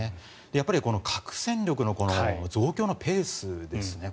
やっぱり核戦力の増強のペースですね